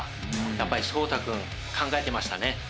やっぱりそうた君考えてましたね。